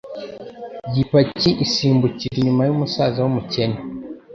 y'ipaki isimbukira inyuma y'umusaza w'umukene